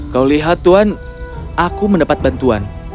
kau lihat tuhan aku mendapat bantuan